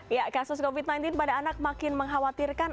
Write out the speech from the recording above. ya kasus covid sembilan belas pada anak makin mengkhawatirkan